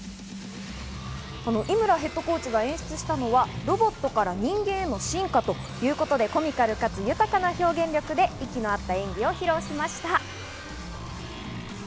井村ヘッドコーチが演出したのはロボットから人間への進化ということで、コミカルかつ豊かな表現力で息の合った演技を披露しました。